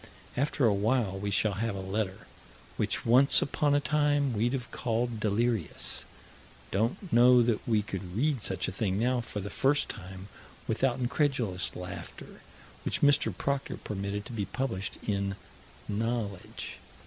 After a while we shall have a letter, which once upon a time we'd have called delirious don't know that we could read such a thing now, for the first time, without incredulous laughter which Mr. Proctor permitted to be published in Knowledge.